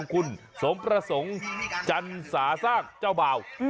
คุณสมประสงค์จันสาสร้างเจ้าบ่าว